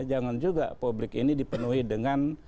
jangan juga publik ini dipenuhi dengan